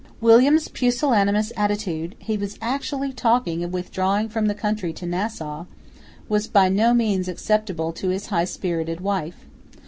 William's pusillanimous attitude (he was actually talking of withdrawing from the country to Nassau) was by no means acceptable to his high spirited wife.